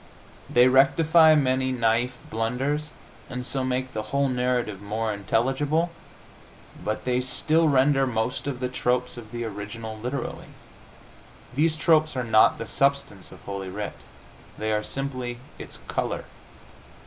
They rectify many naif blunders and so make the whole narrative more intelligible, but they still render most of the tropes of the original literally. These tropes are not the substance of Holy Writ; they are simply its color.